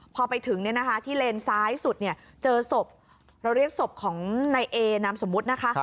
พอไปถึงเนี่ยนะคะที่เลนซ้ายสุดเนี่ยเจอศพเราเรียกศพของนายเอนามสมมุตินะคะ